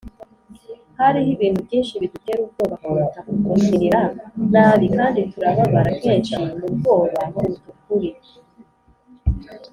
"hariho ibintu byinshi bidutera ubwoba kuruta kutugirira nabi, kandi turababara kenshi mu bwoba kuruta ukuri."